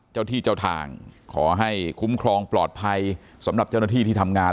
เจ้าที่เจ้าทางขอให้คุ้มครองปลอดภัยสำหรับเจ้าหน้าที่ที่ทำงาน